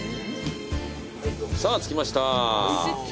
さぁ着きました。